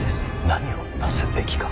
何をなすべきか。